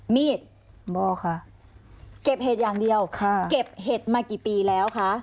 มีดบ่อค่ะเก็บเห็ดอย่างเดียวค่ะเก็บเห็ดมากี่ปีแล้วคะ